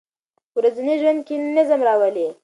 په ورځني ژوند کې نظم راولئ.